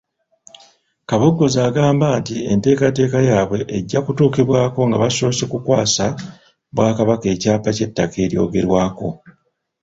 Kabogoza agamba nti enteekateeka yaabwe ejja kutuukibwako nga basoose kukwasa Bwakabaka ekyapa ky’ettaka eryogerwako.